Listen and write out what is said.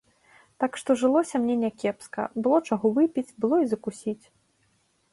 Так што жылося мне някепска, было чаго выпіць, было і закусіць.